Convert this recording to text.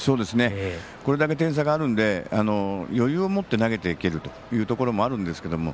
これだけ点差があるんで余裕を持って投げていけるというところもあるんですけども。